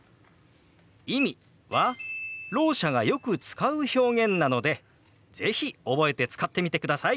「意味」はろう者がよく使う表現なので是非覚えて使ってみてください。